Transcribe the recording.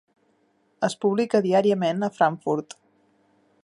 Es publica diàriament a Frankfurt.